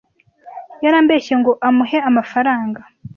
Yarambeshye ngo amuhe amafaranga.